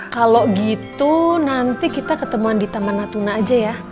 kalau gitu nanti kita ketemuan di taman natuna aja ya